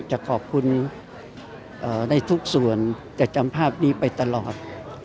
จะขอบคุณได้ทุกส่วนจะจำภาพนี้ไปตลอด